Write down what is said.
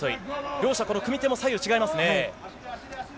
両者、この組手も左右違いますね。